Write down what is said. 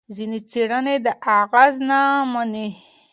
ځینې څېړنې دا اغېز نه مني.